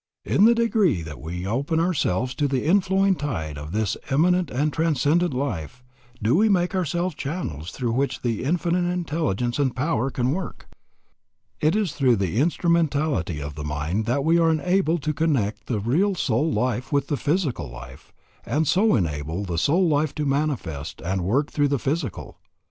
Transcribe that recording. _In the degree that we open ourselves to the inflowing tide of this immanent and transcendent life, do we make ourselves channels through which the Infinite Intelligence and Power can work_. It is through the instrumentality of the mind that we are enabled to connect the real soul life with the physical life, and so enable the soul life to manifest and work through the physical.